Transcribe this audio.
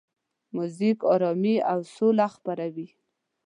موزیک آرامي او سوله خپروي.